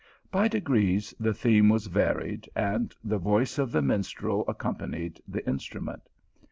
By degrees the theme was varied, and the voice of the minstrel ac companied the instrument.